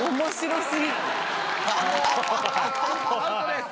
アウトです。